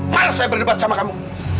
mari saya berdebat sama kamu